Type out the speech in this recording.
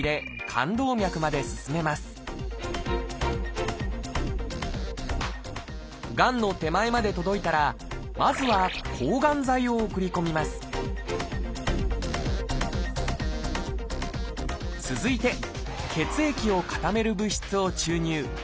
肝動脈まで進めますがんの手前まで届いたらまずは抗がん剤を送り込みます続いて血液を固める物質を注入。